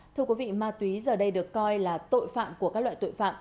thưa quý vị ma túy giờ đây được coi là tội phạm của các loại tội phạm